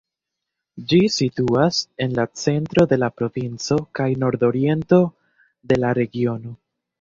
Ĝi situas en la centro de la provinco kaj nordoriento de la regiono.